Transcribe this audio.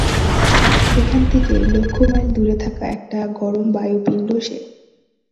এখান থেকে লক্ষ মাইল দূরে থাকা একটা গরম বায়ুপিণ্ড সে!